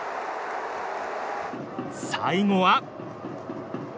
最後は。